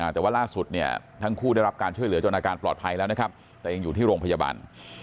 แต่ว่าล่าสุดเนี่ยทั้งคู่ได้รับการช่วยเหลือจนอาการปลอดภัยแล้วนะครับแต่ยังอยู่ที่โรงพยาบาล